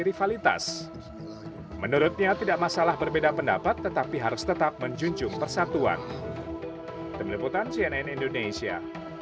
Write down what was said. rivalitas menurutnya tidak masalah berbeda pendapat tetapi harus tetap menjunjung persatuan indonesia